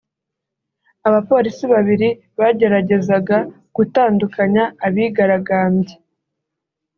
abapolisi babiri bageragezaga gutandukanya abigaragambya